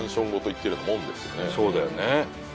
そうだよね。